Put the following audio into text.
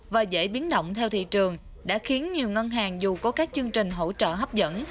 và dễ biến động theo thị trường đã khiến nhiều ngân hàng dù có các chương trình hỗ trợ hấp dẫn